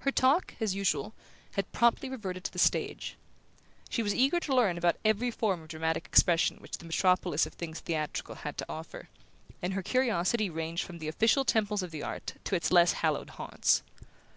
Her talk, as usual, had promptly reverted to the stage. She was eager to learn about every form of dramatic expression which the metropolis of things theatrical had to offer, and her curiosity ranged from the official temples of the art to its less hallowed haunts.